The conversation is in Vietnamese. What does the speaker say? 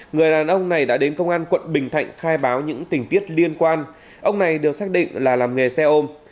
người đàn ông này đã đến công an quận bình thạnh khai báo những tình tiết liên quan ông này được xác định là làm nghề xe ôm